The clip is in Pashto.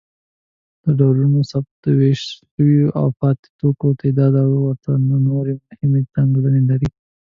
ډولونوثبت، د ویشل شویو او پاتې توکو تعداد او ورته نورې مهمې ځانګړنې لري.